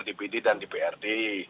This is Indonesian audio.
di prd pd dan di prd